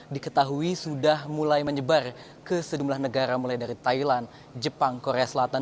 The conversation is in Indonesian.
diketahui sudah mulai menyebar ke sejumlah negara mulai dari thailand jepang korea selatan